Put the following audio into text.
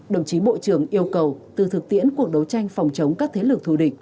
đồng chí bộ trưởng yêu cầu từ thực tiễn cuộc đấu tranh phòng chống các thế lực thù địch